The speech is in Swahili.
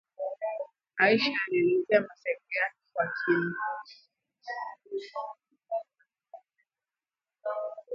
Aisha alieleza masaibu yake kwa kina